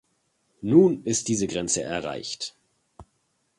Nun ist diese Grenze erreicht.